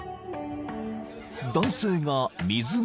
［男性が水がめを］